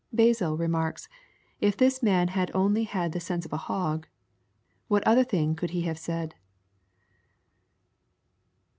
Basil remarks, '^ If this man had only had the sense of a hog, what other thing could he have said